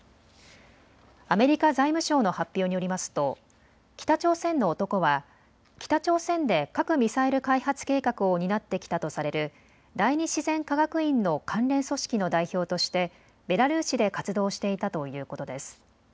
アメリカ財務省の発表によりますと北朝鮮の男は北朝鮮で核・ミサイル開発計画を担ってきたとされる第２自然科学院の関連組織の代表としてベラルーシで活動していたということです。